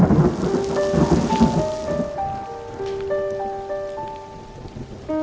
ya enggak apa apa